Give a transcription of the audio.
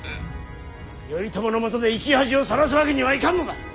頼朝のもとで生き恥をさらすわけにはいかんのだ。